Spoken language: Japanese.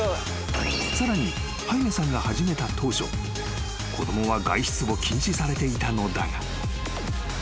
［さらにハイメさんが始めた当初子供は外出を禁止されていたのだが］